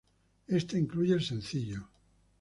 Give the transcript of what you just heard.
Ésta incluye el sencillo.